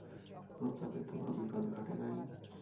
প্রতাপের তো কোনো বিপদ ঘটে নাই?